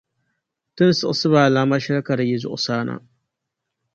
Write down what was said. Ti ni siɣisiba alaama shεli ka di yi zuɣusaa na.